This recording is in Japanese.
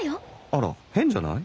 あら変じゃない？